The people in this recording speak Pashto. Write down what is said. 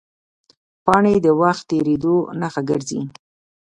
پاڼې د وخت تېرېدو نښه ګرځي